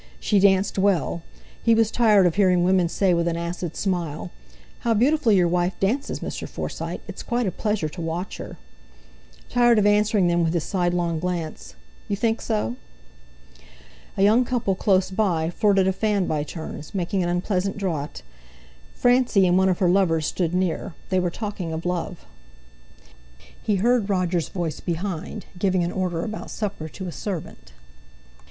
She danced well; he was tired of hearing women say with an acid smile: "How beautifully your wife dances, Mr. Forsyte—it's quite a pleasure to watch her!" Tired of answering them with his sidelong glance: "You think so?" A young couple close by flirted a fan by turns, making an unpleasant draught. Francie and one of her lovers stood near. They were talking of love. He heard Roger's voice behind, giving an order about supper to a servant.